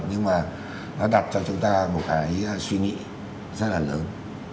nhưng mà nó đặt cho chúng ta một cái suy nghĩ rất là lớn